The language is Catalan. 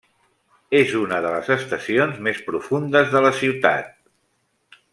És una de les estacions més profundes de la ciutat.